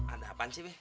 ada apaan sih be